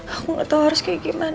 aku gak tau harus kayak gimana